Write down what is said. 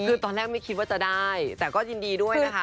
คือตอนแรกไม่คิดว่าจะได้แต่ก็ยินดีด้วยนะคะ